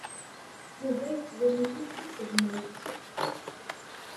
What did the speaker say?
Yuba yettban-iyi-d d aselmad.